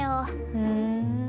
ふん。